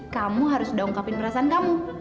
kamu harus udah ungkapin perasaan kamu